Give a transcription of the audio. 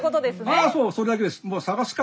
ああそうそれだけです。